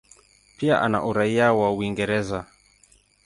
Pia ana uraia wa Uingereza.